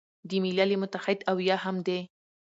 د ملل متحد او یا هم د